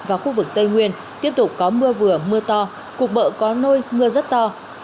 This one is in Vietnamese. và khu vực tây nguyên tiếp tục có mưa vừa mưa to cục bợ có nôi mưa rất to